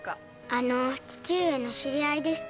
あの父上の知り合いですか？